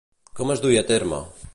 Quan es duien a terme?